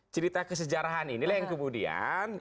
cerita kesejarahan inilah yang kemudian